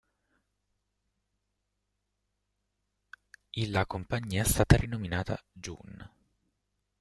Il la compagnia è stata rinominata "Joon".